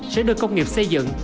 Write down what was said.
sẽ đưa công nghiệp xây dựng